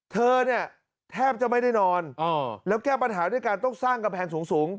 เธอเนี่ยแทบจะไม่ได้นอนแล้วแก้ปัญหาด้วยการต้องสร้างกำแพงสูง